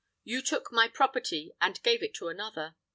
You took my property and gave it to another.